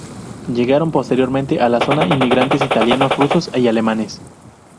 Llegaron posteriormente a la zona inmigrantes italianos, rusos y alemanes.